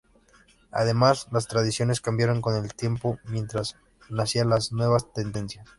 Además, las tradiciones cambiaron con el tiempo mientras nacían las nuevas tendencias.